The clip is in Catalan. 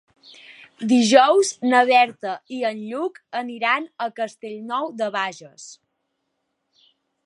Dijous na Berta i en Lluc aniran a Castellnou de Bages.